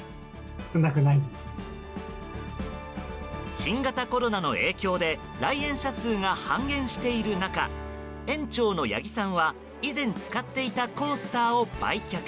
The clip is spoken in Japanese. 新型コロナの影響で来園者数が半減している中園長の八木さんは以前使っていたコースターを売却。